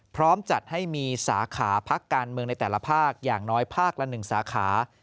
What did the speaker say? พร้อมจัดให้มีสาขาพักการเมืองในแต่ละภาคอย่างน้อยภาคละ๑สาขา